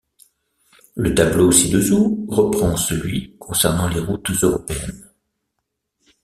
Le tableau ci-dessous reprend celui concernant les routes européennes.